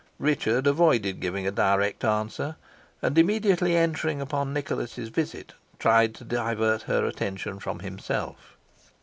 Richard avoided giving a direct answer, and, immediately entering upon Nicholas's visit, tried to divert her attention from himself.